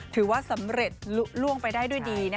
ถือว่าสำเร็จลุล่วงไปได้ด้วยดี